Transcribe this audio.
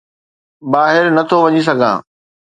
ٻاهر نه ٿو وڃي سگهان